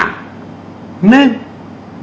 điểm tiếng anh giảm